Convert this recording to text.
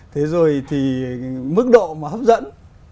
thế rồi thì mức độ mà hấp dẫn